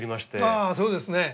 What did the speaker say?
ああそうですね。